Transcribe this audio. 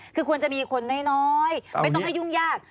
คือควรจะมีคนน้อยไม่ต้องให้ยุ่งยาก